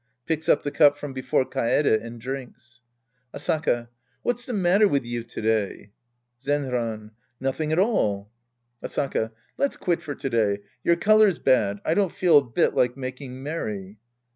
{Picks up the cup from before Kaede and drinks!) Asaka. What's the matter with you to day ? Zcnran. Nothing at all. Asaka. Let's quit for to day. Your color's bad. I don't feel a bit like making merry.